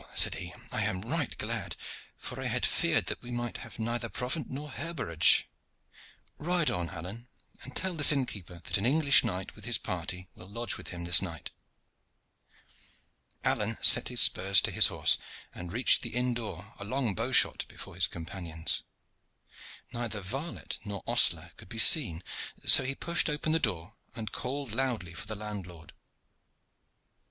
said he, "I am right glad; for I had feared that we might have neither provant nor herbergage. Ride on, Alleyne, and tell this inn keeper that an English knight with his party will lodge with him this night." Alleyne set spurs to his horse and reached the inn door a long bow shot before his companions. Neither varlet nor ostler could be seen, so he pushed open the door and called loudly for the landlord.